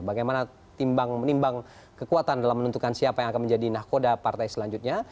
bagaimana menimbang kekuatan dalam menentukan siapa yang akan menjadi nahkoda partai selanjutnya